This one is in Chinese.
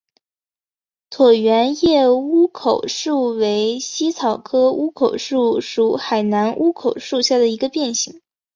椭圆叶乌口树为茜草科乌口树属海南乌口树下的一个变型。